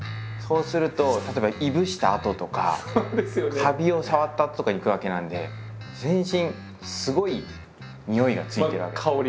そうすると例えばいぶしたあととかカビを触ったあととかに行くわけなので全身すごいにおいがついてるわけ。